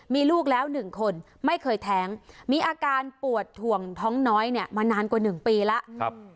มีลูกแล้ว๑คนไม่เคยแท้งมีอาการปวดถ่วงท้องน้อยเนี่ยมานานกว่า๑ปีแล้ว